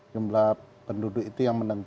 jumlah penduduk itu yang menentukan